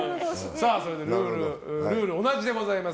それではルールは同じでございます。